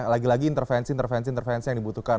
lagi lagi intervensi intervensi intervensi yang dibutuhkan